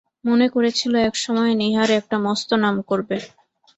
মনে করেছিল এক সময়ে নীহার একটা মস্ত নাম করবে।